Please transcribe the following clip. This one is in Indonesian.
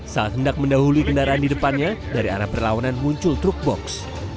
saat hendak mendahului kendaraan di depannya dari arah perlawanan muncul truk box